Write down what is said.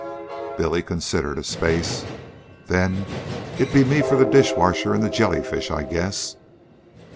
Billy considered a space. "Then it'd be me for the dishwater an' the jellyfish, I guess."